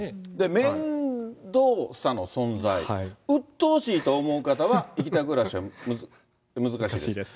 面倒さの存在、うっとうしいと思う方は池田暮らしは難しいです。